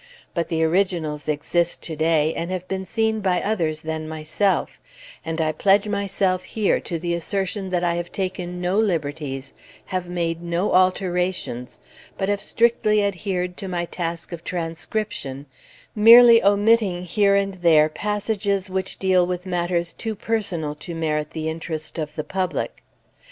But the originals exist to day, and have been seen by others than myself; and I pledge myself here to the assertion that I have taken no liberties, have made no alterations, but have strictly adhered to my task of transcription, merely omitting here and there passages which deal with matters too personal to merit the interest of the public.